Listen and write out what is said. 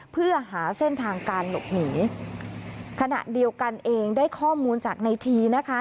เพื่อหาเส้นทางการหลบหนีขณะเดียวกันเองได้ข้อมูลจากในทีนะคะ